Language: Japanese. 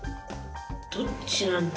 どっちなんだ？